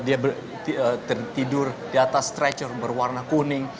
dia tertidur di atas stretcher berwarna kuning